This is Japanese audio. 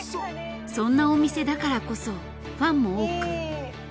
そんなお店だからこそファンも多く。